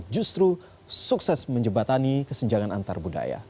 justru sukses menjebatani kesenjangan antar budaya